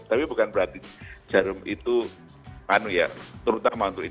tapi bukan berarti jarum itu manu ya